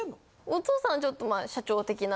お父さんちょっとまあ。